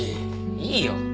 いいよ。